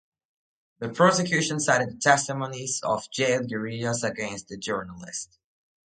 The prosecution cited the testimonies of jailed guerrillas against the journalist.